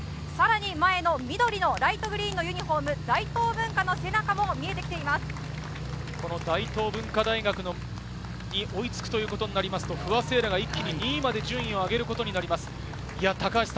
さらに前の緑、ライトグリーンのユニフォームの背中も見えてきま大東文化大学に追いつくということになると不破聖衣来が一気に２位まで順位を上げることになります。